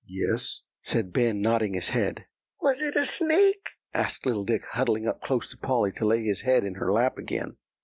"Yes," said Ben, nodding his head. "Was it a snake?" asked little Dick, huddling up close to Polly to lay his head in her lap again.